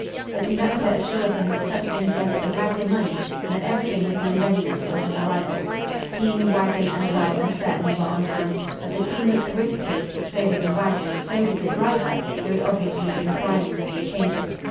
The conductor assured him that such things were to be had for money, and that everything would be in readiness on his arrival. Team, wagon and driver certainly were on hand, but the team looked rickety, so did the wagon, so did the driver, who had obviously been priming for the occasion.